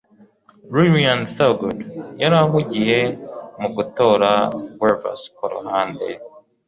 lillian thurgood yari ahugiye mu gutora guavasi kuruhande